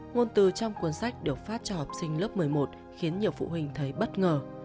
ngôn từ trong cuốn sách được phát cho học sinh lớp một mươi một khiến nhiều phụ huynh thấy bất ngờ